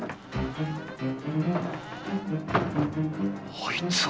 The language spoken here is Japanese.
あいつは！